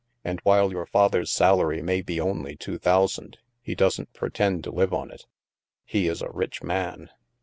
And while your father's salary may be only two thousand, he doesn't pretend to live on it. He is a rich man.